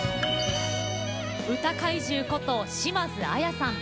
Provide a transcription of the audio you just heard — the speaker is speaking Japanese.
歌怪獣こと、島津あやさん。